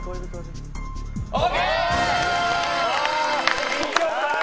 ＯＫ！